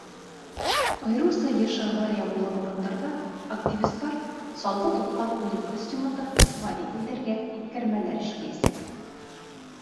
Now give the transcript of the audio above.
Айырыуса йыш авария булған урындарҙа активистар салғы тотҡан үлем костюмында водителдәргә иҫкәрмәләр эшләйәсәк.